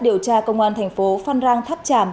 điều tra công an thành phố phan rang tháp tràm